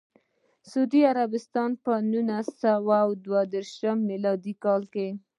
سعودي عربستان په نولس سوه دوه دیرش میلادي کال کې.